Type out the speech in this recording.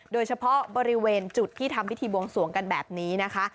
โดยเฉพาะบริเวณจุดที่ทำพิธีบวงสวงกันแบบนี้นะคะ